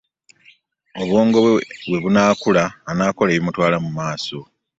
Obwongo bwe we bunakula anakola ebimutwala mu maaso .